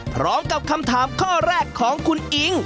พร้อมกับคำถามข้อแรกของคุณอิ๊ง